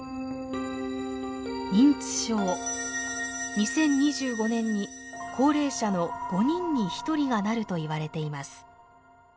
２０２５年に高齢者の５人に１人がなるといわれています。